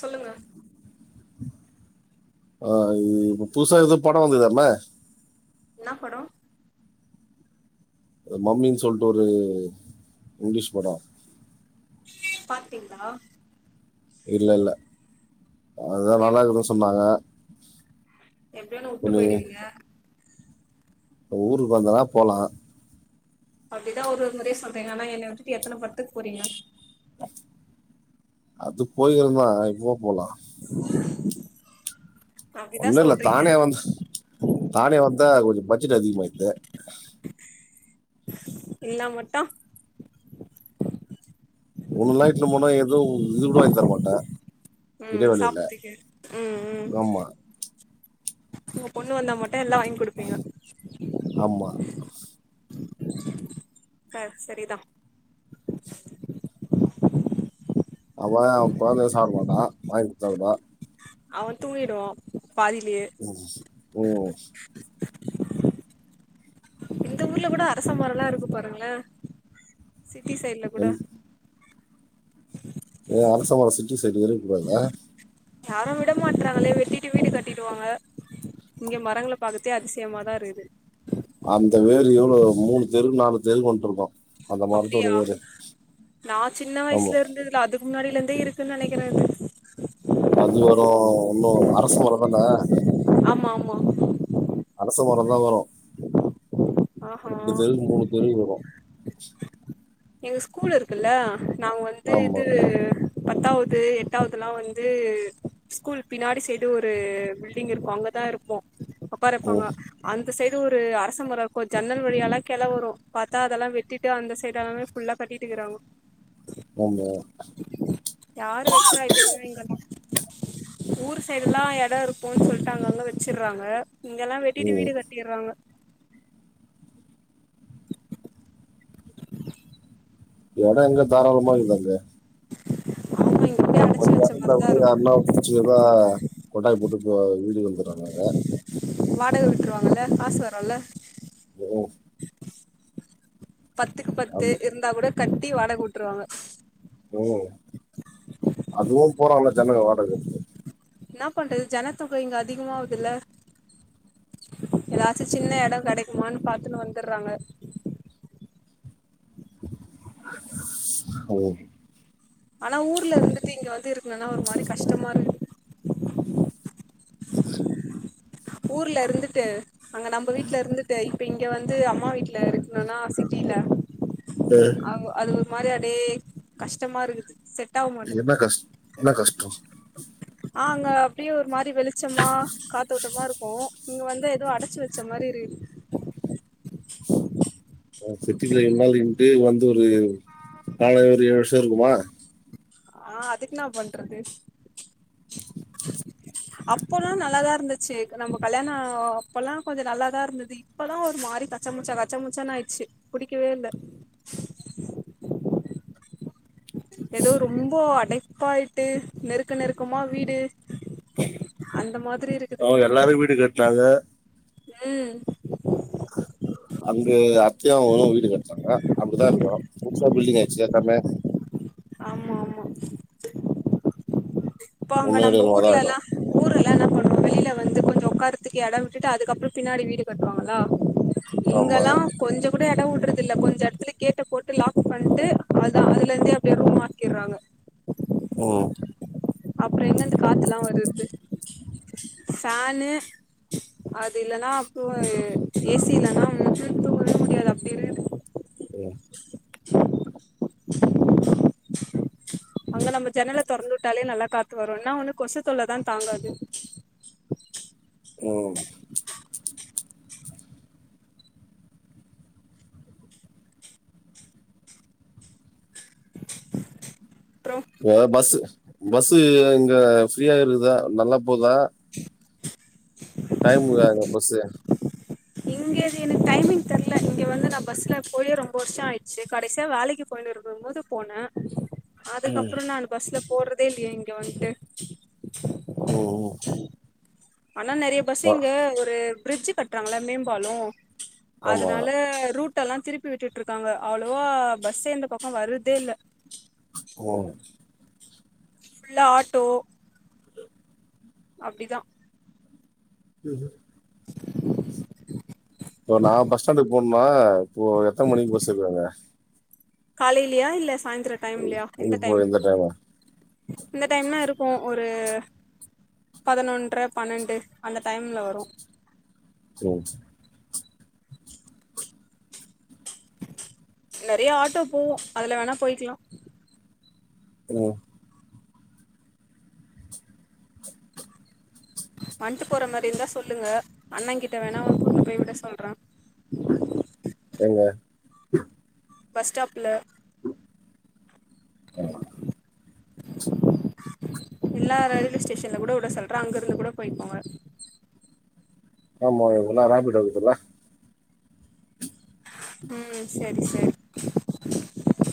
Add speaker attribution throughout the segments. Speaker 1: சொல்லுங்க
Speaker 2: ஆஹ் இ இப்ப புதுசா எதோ படம் வந்துகுதாமே
Speaker 1: என்னா படம்
Speaker 2: அ மம்மின்னு சொல்லிட்டு ஒரு இங்கிலீஷ் படம்
Speaker 1: பாத்திட்டுங்களா
Speaker 2: இல்ல இல்ல அதான் நல்லா கீதுன்னு சொன்னாங்க [inaudible]
Speaker 1: எப்படி
Speaker 2: இப்ப
Speaker 1: விட்டு போயிடுவீங்க
Speaker 2: இப்ப ஊருக்கு வந்தனா போலாம்
Speaker 1: அப்படிதான் ஒரு முறைய சொல்றேங்க ஆனா என்னை விட்டுட்டு எத்தனை படத்துக்கு போறீங்க
Speaker 2: அது போயிருந்தான் இப்போ போலாம்
Speaker 1: [inaudible]
Speaker 2: ஒன்னும் இல்ல
Speaker 1: சொல்றீங்க
Speaker 2: தானே வந்து தானே வந்த [unintelligible] பட்ஜெட் அதிகமாயிது
Speaker 1: இல்ல மட்டும்
Speaker 2: [unintelligible] ஏதோ இது கூட வாங்கி தரமாட்டா
Speaker 1: ம் சாப்ட்டுக்கு ம் ம்
Speaker 2: ஆமா
Speaker 1: ஒங்க பொண்ணு வந்த மட் டும் எல்லா வாங்கி குடுப்பீங்க
Speaker 2: ஆமா
Speaker 1: ஆ செரிதா
Speaker 2: அவ அவ கொழந்தைகளு சாப்ட மாட்டான் வாங்கி கொடுத்தாலுமே
Speaker 1: அவன் தூங்கிடுவா பாதிலயே
Speaker 2: ம் ம்
Speaker 1: இந்த ஊர்ல கூட அரசமரலா இருக்கு பாருங்களே சிட்டி சைட்ல கூட உம்
Speaker 2: ஏ அரசமர சிட்டி சைடு இருக்க கூடாதா
Speaker 1: யாரு விட மாட்றாங்களே வெட்டிட்டு வீடு கட்டிடுவாங்க இங்க மரங்கள பாக்கதே அதிசயமா தா இருக்குது
Speaker 2: இது எவ்ளோ மூணு தெரு நாலு தெருக்கு [unintelligible]
Speaker 1: அப்டியா நா சின்ன
Speaker 2: ஆமா
Speaker 1: வயசுல இருந்ததுல அதுக்கு முன்னாடியிலேந்தே இருக்குன்னு நெனைக்கிறே அது
Speaker 2: அது வரு இன்னு அரசமர தானே
Speaker 1: ஆமா ஆமா
Speaker 2: அரச மரோலா வரு
Speaker 1: ஆஹா
Speaker 2: ரெண்டு தெரு மூணு தெருவுக்கு வரு
Speaker 1: எங்க ஸ்கூல் இருக்குல்ல நாங்க வந்து
Speaker 2: ஆமா
Speaker 1: இது பத்தாவது எட்டாவதுல்லா வந்து ஸ்கூல் பின்னாடி சைடு ஒரு பில்டிங் இருக்கு அங்கதா இருப்போ உக்கார வைப்பாங்க
Speaker 2: ம்
Speaker 1: அந்த இந்த சைடு ஒரு அரசமர இருக்கு ஜன்னல் வழியாலா கெள வரு பாத்தா அதெல்லா வெட்டிட்டு அந்த சைடு எல்லாமே ஃபுல்லா கட்டிட்டு இருக்கிறாங்கோ யாரு வெக்கிறா இப்பல்லா இங்கெல்லா
Speaker 2: [unintelligible]
Speaker 1: ஊர் சைடெல்லா எட இருக்குன்னு சொல்ட்டு அங்கங்க வச்சிறாங்க இங்கெல்லா வெட்டிட்டு
Speaker 2: ம்
Speaker 1: வீடு கட்டிறாங்க
Speaker 2: எட எங்க தாராளமா இருக்கு அங்க
Speaker 1: ஆமா இங்க அப்படியே அடைச்சு
Speaker 2: கொஞ்ச
Speaker 1: வச்ச
Speaker 2: எட
Speaker 1: மாரிதான்
Speaker 2: [unintelligible]
Speaker 1: இருக்கும்
Speaker 2: யார்ன்னா புடிச்சிக்கிறது ஆ கொட்டாய போட்டு இப்ப வீட்டுக்கு வந்துறாங்க அங்க
Speaker 1: வாடக விட்டுருவாங்கல்ல காசு வருல
Speaker 2: ம்
Speaker 1: பத்துக்கு பத்து
Speaker 2: அது
Speaker 1: இருந்தா கூட கட்டி வாடகவுட்டுருவாங்க
Speaker 2: உம் அதுவும் போறாங்கா ஜனக வாடக கட்டிட்டு
Speaker 1: என்ன பண்றது ஜனத்தகை இங்க அதிகமாவதுல்ல ஏதாச்சும் சின்ன இடம் கிடைக்குமனு பாத்துன்னு வந்துடுறாங்க
Speaker 2: ஓ
Speaker 1: ஆனா ஊர்ல இருந்துட்டு இங்க வந்து இருக்குணும்ன்னா ஒரு மாரி கஷ்டமா இருக்கு
Speaker 2: எது
Speaker 1: ஊர்ல இருந்துட்டு அங்க நம்ம வீட்டுல இருந்துட்டு இப்ப இங் இங்க வந்து அம்மா வீட்டு்ல இருக்கணும்னா சிட்டில அ அது ஒரு மாரி அதே கஷ்டமா இருக்குது செ
Speaker 2: என்ன கஷ் என்ன கஷ்டோ
Speaker 1: அங்க அப்படியே ஒரு மாரி அப்படி வெளிச்சமா காத்தோட்டமா இருக்கும் ஓ இங்க வந்து எதோ அடைச்சு வச்ச மாரி இருக்குது
Speaker 2: ஆ சிட்டிக்குள்ள இவளோ நாள் இருண்டு வந்து இ ஒரு நாலு அல்லது ஏழு வருஷம் இருக்குமா
Speaker 1: ஆஹ் அதுக்கு நான் பண்றது அப்பல்லா நல்லாதான் இருந்துச்சு நம்ம கல்யாணம் அப்பல்லா கொஞ்சம் நல்லாதான் இருந்தது இப்பல்லா ஒரு மாறி கச்ச முச்சா கச்ச முச்சானு ஆயிடுச்சு புடிக்கவே இல்ல ஏதோ ரொம்ப அடைப்பாயிட்டு நெருக்க நெருக்கமா வீடு அந்த மாரி
Speaker 2: அவங்க எல்லாரும் வீடு கட்டறாங்க
Speaker 1: உம்
Speaker 2: அங்க அத்தையாவங்களு வீடு கட்டுறாங்க அப்படித்தான் இருக்கம் புதுசா பில்டிங் ஆயிடுச்சுல எல்லாமே
Speaker 1: ஆமா ஆமா போங்க
Speaker 2: ஒன்னு
Speaker 1: நம்ம
Speaker 2: இடமா தான்
Speaker 1: ஊர்லல்லா
Speaker 2: ஆயிடும்
Speaker 1: ஊரு ஏன்னா பண்ணும் வெளில வந்து கொஞ்சோ உக்காரத்துக்கு இடம் விட்டுட்டு அதுக்கப்புறோ பின்னாடி வீடு கட்டுவாங்களா
Speaker 2: ஆமா
Speaker 1: இங்கெல்லா கொஞ்சோ கூட இடம் விடுறது இல்ல கொஞ்சோ இடத்துல கேட்ட போட்டு லாக் பண்ணிட்டு அதான் அதுல இருந்தே அப்டியே ரூட் மாத்திரங்க
Speaker 2: உம்
Speaker 1: அப்புறோ எங்க இருந்து காத்துலா வர்றது ஃபேன்னு அது இல்லனா கூலரு ஏசி இல்லனா தூங்கவே முடியாது அப்டி இருக்குது
Speaker 2: உம்
Speaker 1: அங்க நம்ம ஜன்னலை தொறந்து விட்டாலே நல்லா காத்து வரும் என்ன ஒன்னு கொசு தொல்ல தான் தாங்காது
Speaker 2: உம்
Speaker 1: அப்றோ
Speaker 2: வே பஸ்சு பஸ்சு இங்க ஃப்ரீயா இருக்குதா நல்லா போதா டைம்க்காக பஸ்சு
Speaker 1: இங்க எனக் டைமிங் தெர்ல இங்க வந்து நான் பஸ்ல போயே ரொம்ப வருஷம் ஆயிடுச்சு கடைசியா வேலைக்கு போயினு இருக்கும் போது போனேன்
Speaker 2: ம்
Speaker 1: அதுக்கப்புறம் நான் பஸ்ல போறது தெர்லியே இங்க வந்துட்டு
Speaker 2: ம் ம்
Speaker 1: ஆனா நெறைய பஸ்
Speaker 2: அ
Speaker 1: இங்க ஒரு பிரிட்ஜ் கட்டுறாங்களா மேம்பாலம்
Speaker 2: ஆமா
Speaker 1: அதனால ரூட் எல்லா திருப்பி விட்டுட்டு இருக்காங்க அவளோவா பஸ்சே இந்த பக்கம் வர்றதே இல்ல
Speaker 2: ம்
Speaker 1: ஃபுல்லா ஆட்டோ அப்டிதான்
Speaker 2: ம் இப்ப நான் பஸ் ஸ்டாண்டுக்கு போணுமா இப்போ எத்தனை மணிக்கு பஸ் இருக்கு அங்க
Speaker 1: காலைலியா இல்ல சாயிந்திரம் டைம்லையா
Speaker 2: அங்க
Speaker 1: எந்த
Speaker 2: இப்போ
Speaker 1: டைம்
Speaker 2: இந்த டைமா
Speaker 1: இந்த டைம்னா இருக்கும் ஒரு பதினொன்றரை பன்ரெண்டு அந்த டைம்ல வரும்
Speaker 2: ம்
Speaker 1: நெறைய ஆட்டோ போவோம் அதுல வேணா போயிக்கலாம்
Speaker 2: உம்
Speaker 1: வந்துட்டு போற மாரி இருந்தா சொல்லுங்க அண்ணன் கிட்ட வேணா அவர கூட்டிட்டு போய் விட சொல்றன்
Speaker 2: எங்க
Speaker 1: பஸ் ஸ்டாப்ல
Speaker 2: அ
Speaker 1: எல்லா ரயில்வே ஸ்டேஷன்ல கூட விட சொல்றேன் அங்க இருந்து கூட போய்க்கோங்க
Speaker 2: ஆமா இவுங்கலா ரேப்பிட்டு இருக்குதுல்ல
Speaker 1: ம் செரி செரி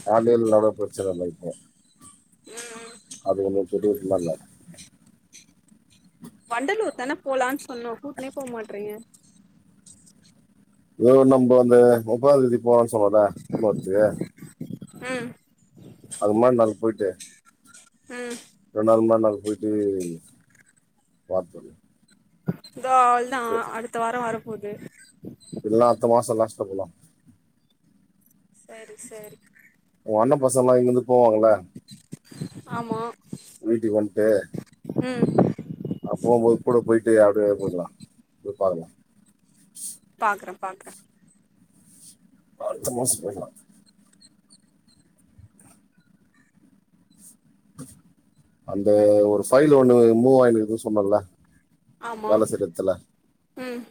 Speaker 2: காலைலனாலோ பிரச்சன இல்ல இப்ப
Speaker 1: ம் ம்
Speaker 2: அது என்னுது திடீர் ஸ்மெல்லா இருக்
Speaker 1: வண்டலூர் தானே போலான்னு சொன்னோ கூட்டுனே போக மாட்றீங்க
Speaker 2: இதோ நம்ப அந்த ஒம்பதா தேதி போவோனு சொன்னேல போச்சே
Speaker 1: ம் ம்
Speaker 2: ரண்டால ம ந போயிட்ட வார
Speaker 1: தோ அவள் தா அடுத்த வாரோ வரப் போது
Speaker 2: எல்லா அடுத்த மாசோ லாஸ்ட் சொலாம்
Speaker 1: செரி செரி
Speaker 2: வண்ண பச எல்லா இங்க வந்து போவாங்கள
Speaker 1: ஆமா
Speaker 2: வீட்டுக்கு வந்ட்டு
Speaker 1: ம்
Speaker 2: பாக்கலா
Speaker 1: பாக்கறோ பாக்ர
Speaker 2: அடுத்த மாசத்துல அந்த ஒரு ஃபைல் ஒண்ணு மூவ் ஆயனுக்குன்னு சொன்னல
Speaker 1: ஆமா
Speaker 2: வேல செய்யறதுல
Speaker 1: ம்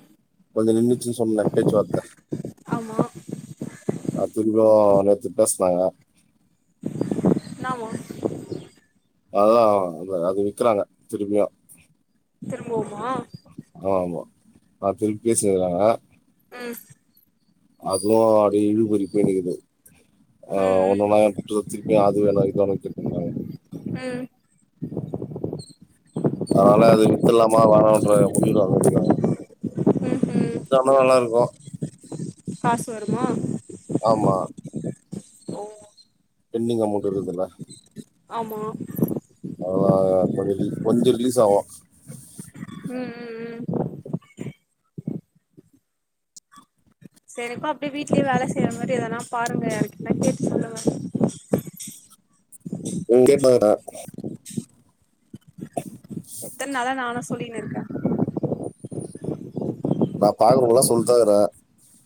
Speaker 2: கொஞ்சோ நின்றுச்சுன்னு சொன்னாநெ பேச்சுவார்த்த
Speaker 1: ஆமா
Speaker 2: அ திரபவு நேத்து பேசினாங்க
Speaker 1: ந வா
Speaker 2: அதா அ அது விக்கறாங்க திரும்பியு
Speaker 1: திரும்புவுமா
Speaker 2: ஆமா ஆமா ந திருப்பி பெசினுயிருகாங்க
Speaker 1: ம்
Speaker 2: அதுவு அப்டிே இழுபறி போய்னுக்குது ஆ ஒன்னு
Speaker 1: ம்
Speaker 2: ந திருப்பியு அது வேணா கேட்டுருக்காங்க
Speaker 1: [unintelligible]
Speaker 2: அதனால அது வித்துலாமா வேணன்ற முடிவுட்டு வந்துட்டுக்காங்க
Speaker 1: ம் ம்
Speaker 2: வித்துடானா நல்லா இருக்கு
Speaker 1: காசு வருமா
Speaker 2: ஆமா
Speaker 1: ஓ
Speaker 2: பேண்டிங் அமௌண்ட் இருக்குதுல்ல
Speaker 1: ஆமா
Speaker 2: [unintelligible] போதிகி கொஞ்சோ ரிலீஸ் ஆவு
Speaker 1: உம் உம் உம் சரிக்கு அப்படியே வீட்லயே வேலை செய்யற மாதிரி எதனா பாருங்க எனயாக்குல்லா கேட்டு சொல்லுவ
Speaker 2: உங்கே பததா
Speaker 1: எத்தன நாள நாநு சொல்லனு இருக்க
Speaker 2: நான் பாக்குறங்கல்லாம் சொல்லிதா இருக்கறேன்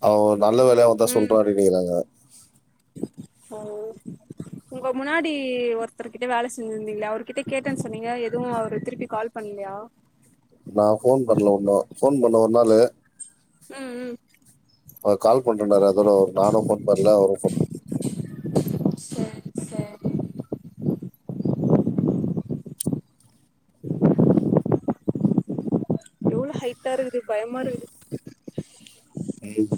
Speaker 2: அவர் நல்ல வேலையா வந்தான்
Speaker 1: ம்
Speaker 2: சொல்றே அனிக்கிறாங்க
Speaker 1: ஓ உங்க முன்னாடி ஒருத்தர்க கிட்ட வேலை செஞ்சிருந்தீங்களா அவ கிட்ட கேட்டேன்னு சொன்னீங்க எதுவும் அவரு திருப்பி கால் பண்ணலையா
Speaker 2: நான் போன் பண்ணல ஒண்ணும் போன் பண்ண ஒரு நாளு
Speaker 1: உம் உம்
Speaker 2: அவர்கால்ண்றேனாரு அதோட நானும் போன் பண்ணல அவரும் போன் பண்ண
Speaker 1: சேரி சேரி எவ்வளவு ஹைட்டா இருக்குது பயமா இருக்குது
Speaker 2: பேய்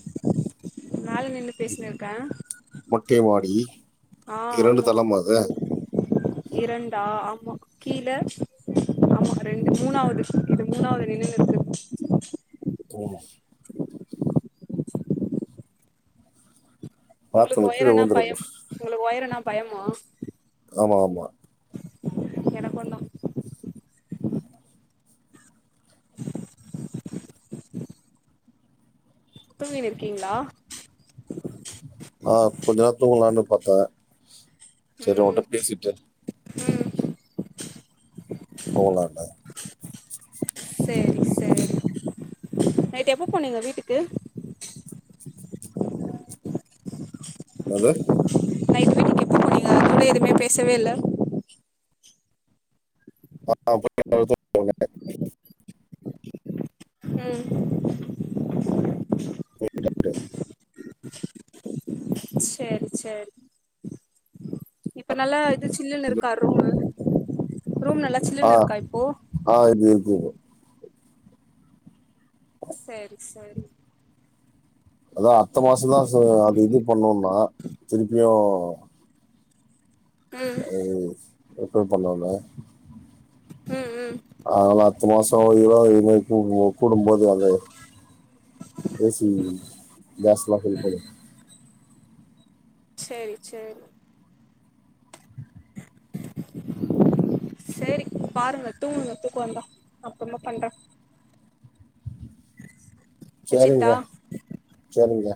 Speaker 1: மேல நின்னு பேசின இருக்கே
Speaker 2: யி இரண்டு தளம் அது
Speaker 1: இரண்டா ஆமா கீழே ஆமா ரெண்டு மூணாவது இது மூணாவது நினனது இருக்கு
Speaker 2: போமா
Speaker 1: உங்களுக்கு
Speaker 2: பார்த்தவங்க
Speaker 1: ஒயர
Speaker 2: கீழே
Speaker 1: என்னா பயம்
Speaker 2: விழுந்துருப்போம்
Speaker 1: உங்களுக்கு ஒயரனா பய
Speaker 2: ஆமா ஆமா
Speaker 1: எனக்குதா தூகீன்னு இருக்கீங்களா
Speaker 2: ஆஹ் கொஞ்ச நேரதூக்கலானு பாரத்தேன் சரி உங்கட்ட பேசிட்டு
Speaker 1: ம்
Speaker 2: போலண்டு
Speaker 1: சரி சரி நைட் எப்ப போனீங்க வீட்டுக்கு
Speaker 2: அது
Speaker 1: நைட்டு வீட்டுக்கு எப்ப போநீங்கா அதுகப்றம் எதுவுமே பேசவே இல்ல
Speaker 2: ஆஹ் [unintelligible]
Speaker 1: உம்
Speaker 2: [unintelligible]
Speaker 1: செரி செரி இப்ப நல்ல சில்லுனுருக்கா ரூமு ரூம் நல்லா சில்லுன்னு
Speaker 2: ஆஹ்
Speaker 1: இருக்கா இப்போ
Speaker 2: ஆஹ் இது இருக்குது
Speaker 1: சரி சரி
Speaker 2: அதான் அடுத்த மாசம் தான் அது இது பண்ணும்னா திருப்பியும் ஆஹ
Speaker 1: ம்
Speaker 2: [unintelligible] எப்டி பண்ணாங்க
Speaker 1: ம் உம்
Speaker 2: பத்து மாசம் இவ இன கூடும்போது அத ஏசி கேஸ்லாம் பில்ப்படும்
Speaker 1: சேரி சேரி சேரி பாருங்க தூங்குங்க தூக்கொ வந்தா அப்பறமா பண்ற
Speaker 2: சேரிங்க சேரிங்க